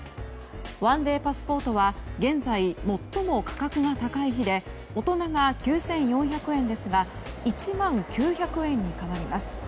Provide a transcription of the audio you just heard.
１デーパスポートは現在、最も価格が高い日で大人が９４００円ですが１万９００円に変わります。